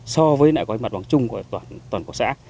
so với cái mặt bằng chung của toàn quốc xã